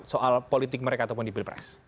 soal politik mereka ataupun di pilpres